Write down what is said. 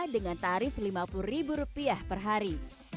dengan tarif rp lima puluh per hari